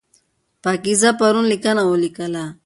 پاکیزه پرون لیکنه ولیکله.